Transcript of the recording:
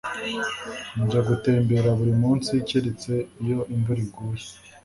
Njya gutembera buri munsi keretse iyo imvura iguye